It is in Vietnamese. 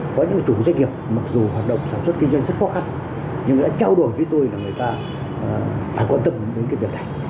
có những chủ doanh nghiệp mặc dù hoạt động sản xuất kinh doanh rất khó khăn nhưng đã trao đổi với tôi là người ta phải quan tâm đến cái việc này